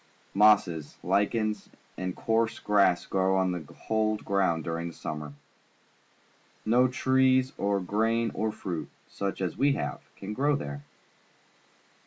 Mosses, lichens, and coarse grass grow on the cold ground during the summer. No trees or grain or fruit, such as we have, can grow there.